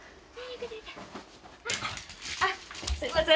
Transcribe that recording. あっすいません。